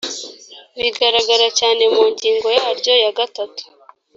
bigaragara cyane mu ngingo yaryo ya gatatu